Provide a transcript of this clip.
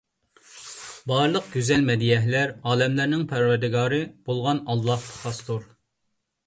بارلىق گۈزەل مەدھىيەلەر ئالەملەرنىڭ پەرۋەردىگارى بولغان ئاللاھقا خاستۇر.